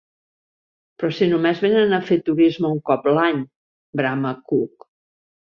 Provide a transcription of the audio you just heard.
Però si només vénen a fer turisme un cop l'any —brama Cook.